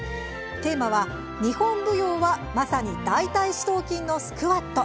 テーマは、「日本舞踊はまさに大たい四頭筋のスクワット」。